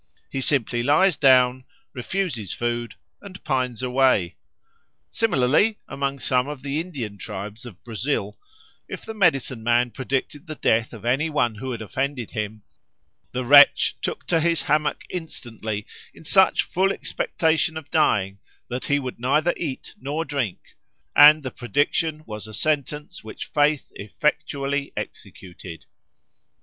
He simply lies down, refuses food, and pines away. Similarly among some of the Indian tribes of Brazil, if the medicine man predicted the death of any one who had offended him, "the wretch took to his hammock instantly in such full expectation of dying, that he would neither eat nor drink, and the prediction was a sentence which faith effectually executed."